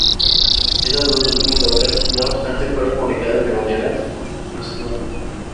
Estas dos últimas obras, no obstante, fueron publicadas de manera póstuma.